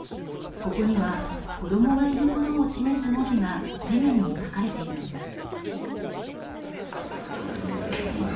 ここには子供がいることを示す文字が地面に書かれていました。